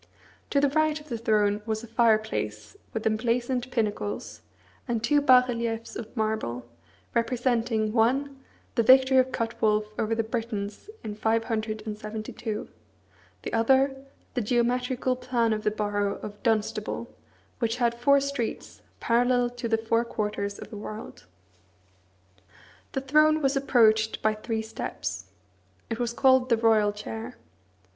To the right of the throne was a fireplace with emblazoned pinnacles, and two bas reliefs of marble, representing, one, the victory of Cuthwolf over the Britons, in 572; the other, the geometrical plan of the borough of Dunstable, which had four streets, parallel to the four quarters of the world. The throne was approached by three steps. It was called the royal chair.